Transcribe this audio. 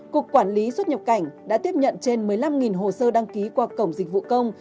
cục quản lý xuất nhập cảnh đã tiếp nhận trên một mươi năm hồ sơ đăng ký qua cổng dịch vụ công